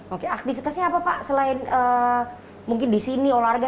oke aktivitasnya apa pak selain mungkin di sini olahraga